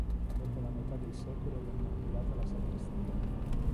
Dopo la metà del secolo venne ampliata la sagrestia.